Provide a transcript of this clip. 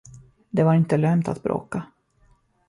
Det var inte lönt att bråka.